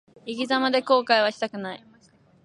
生き様で後悔はしたくない。